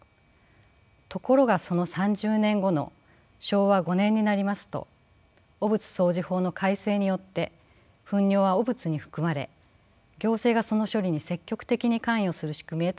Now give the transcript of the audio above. ところがその３０年後の昭和５年になりますと汚物掃除法の改正によって糞尿は汚物に含まれ行政がその処理に積極的に関与する仕組みへと変わります。